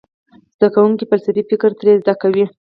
زده کوونکي فلسفي فکر ترې زده کوي.